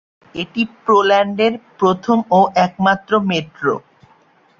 এটি পোল্যান্ডের প্রথম ও একমাত্র মেট্রো।